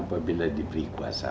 apabila diberi kuasa